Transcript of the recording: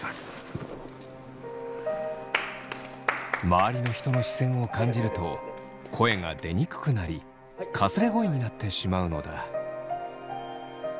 周りの人の視線を感じると声が出にくくなりかすれ声になってしまうのだ。